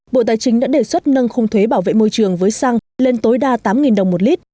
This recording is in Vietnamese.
bộ tài chính đã đề xuất nâng khung thuế bảo vệ môi trường với xăng lên tối đa tám đồng một lít